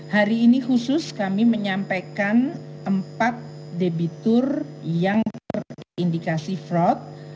hari ini khusus kami menyampaikan empat debitur yang terindikasi fraud